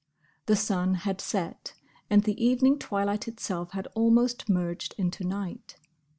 The sun had set, and the evening twilight itself had almost merged into night.